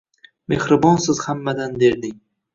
Mexribonsiz hammadan derding